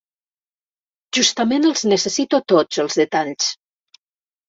Justament els necessito tots, els detalls.